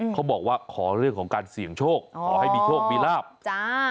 เขาบอกว่าขอเรื่องของการเสี่ยงโชคขอให้มีโชคมีลาบจ้า